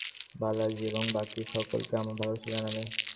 কিডি, doctor, secretary সাহেব, বালাজী এবং বাকী সকলকে আমার ভালবাসা জানাবে।